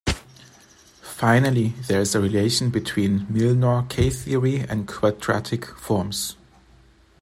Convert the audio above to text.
Finally, there is a relation between Milnor K-theory and quadratic forms.